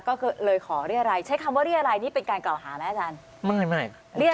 ก็เลยขอเรียรัยใช้คำว่าเรียรัยนี่เป็นการกล่าวหาไหมอาจารย์